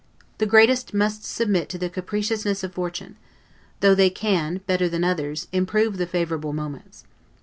The greatest must submit to the capriciousness of fortune; though they can, better than others, improve the favorable moments.